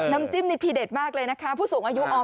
น้ำจิ้มนี้ทีเด็ดมากเลยนะคะ